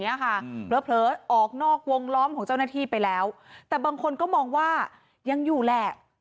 เผลอออกนอกวงล้อมของเจ้าหน้าที่ไปแล้วแต่บางคนก็มองว่ายังอยู่แหละ